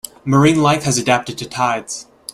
Marine life has adapted to tides.